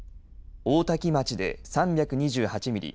大多喜町で３２８ミリ